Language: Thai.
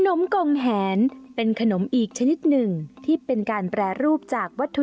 มกงแหนเป็นขนมอีกชนิดหนึ่งที่เป็นการแปรรูปจากวัตถุ